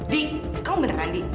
di kamu beneran di